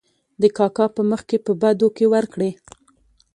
د کاکا په مخکې په بدو کې ور کړې .